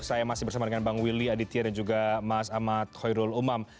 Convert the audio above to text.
saya masih bersama dengan bang willy aditya dan juga mas ahmad khairul umam